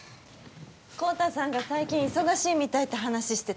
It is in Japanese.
昂太さんが最近忙しいみたいって話してたの。